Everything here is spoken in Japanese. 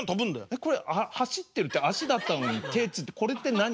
えっこれ走ってるって足だったのに手ついてこれって何？